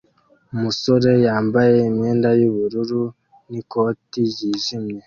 Umusore yambaye imyenda yubururu n'ikoti ryijimye